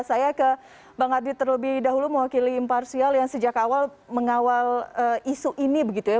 saya ke bang ardi terlebih dahulu mewakili imparsial yang sejak awal mengawal isu ini begitu ya